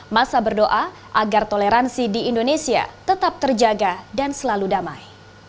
masa berdoa agar toleransi di indonesia tetap terjaga dan selalu damai